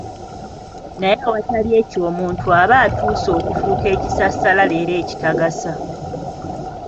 Naye awatali ekyo omuntu aba atuuse okufuuka ekisassalala era ekitagasa.